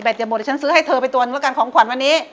แบตอย่าหมดฉันซื้อให้เธอไปตัวนึงแล้วกันของขวัญวันนี้